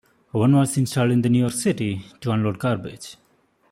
One was installed in New York City to unload garbage.